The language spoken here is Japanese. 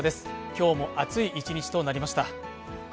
今日も暑い一日となりました。